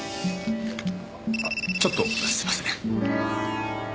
あちょっとすみません。